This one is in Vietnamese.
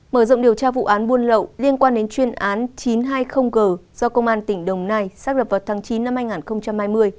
mở rộng điều tra vụ án buôn lậu liên quan đến chuyên án chín trăm hai mươi g do công an tỉnh đồng nai xác lập vào tháng chín năm hai nghìn hai mươi